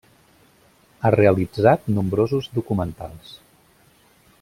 Ha realitzat nombrosos documentals.